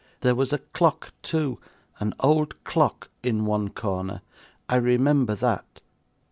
There was a clock too, an old clock, in one corner. I remember that.